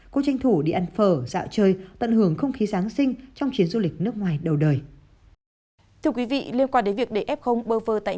cô tranh thủ đi ăn phở dạo chơi tận hưởng không khí giáng sinh trong chiến du lịch nước mỹ